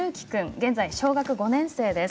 現在、小学５年生です。